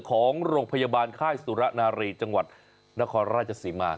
ของหลวงพยาบาลค่ายสุรนารีย์จังหวัดนครราชสิมมาร์